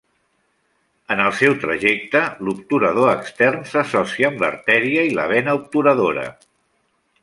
En el seu trajecte, l'obturador extern s'associa amb l'artèria i vena obturadora.